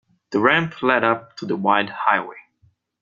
The ramp led up to the wide highway.